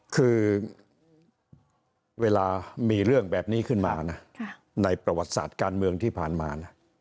คือเวลามีเรื่องแบบนี้ขึ้นมานะในประวัติศาสตร์การเมืองที่ผ่านมานะ